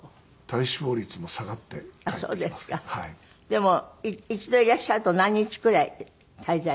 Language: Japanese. でも一度いらっしゃると何日くらい滞在なさる？